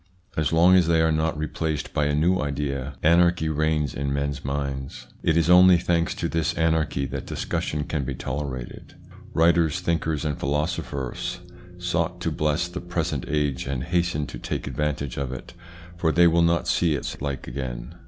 As long as they are not replaced by a new idea, anarchy reigns in men's minds. It is only thanks to this anarchy that discussion can be tolerated. Writers, thinkers, and philosopher sought to bless the present age and hasten to take advantage of it, for they will not see its like again.